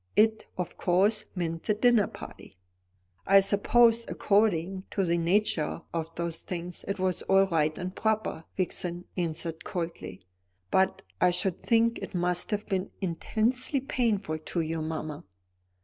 "It," of course, meant the dinner party. "I suppose, according to the nature of such things, it was all right and proper," Vixen answered coldly; "but I should think it must have been intensely painful to you, mamma."